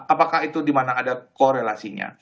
apakah itu dimana ada korelasinya